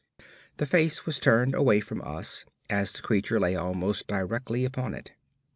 The face was turned away from us, as the creature lay almost directly upon it.